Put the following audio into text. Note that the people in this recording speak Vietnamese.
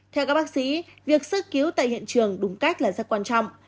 theo các bác sĩ việc sơ cứu tại hiện trường đúng cách là rất quan trọng